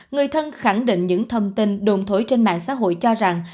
người thân khẳng định những thông tin đồn thổi trên mạng xã hội cho rằng